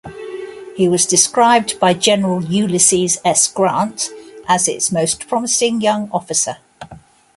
He was described by General Ulysses S. Grant as its most promising young officer.